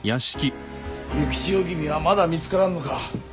幸千代君はまだ見つからんのか？